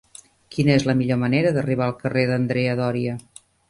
Quina és la millor manera d'arribar al carrer d'Andrea Doria?